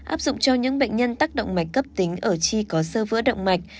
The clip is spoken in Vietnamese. áp dụng cho những bệnh nhân tác động mạch cấp tính ở chi có sơ vữa động mạch